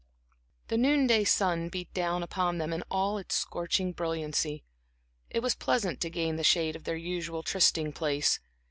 The noon day sun beat down upon them in all its scorching brilliancy; it was pleasant to gain the shade of their usual trysting place.